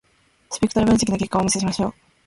スペクトル分析の結果をお見せしましょう。